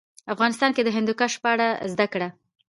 افغانستان کې د هندوکش په اړه زده کړه.